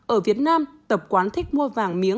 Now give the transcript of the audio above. ở việt nam tập quán thích mua vàng miếng